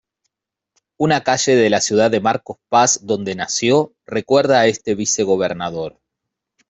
Una calle de la ciudad de Marcos Paz, donde nació, recuerda a este vicegobernador.